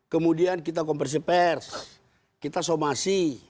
kemudian kita konversi pers kita somasi